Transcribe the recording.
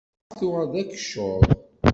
Teḍεef tuɣal d akeccuḍ.